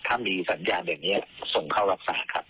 ถ้ามีสัญญาณอย่างนี้ส่งเข้ารักษาครับ